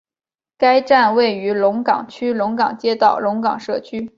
该站位于龙岗区龙岗街道龙岗社区。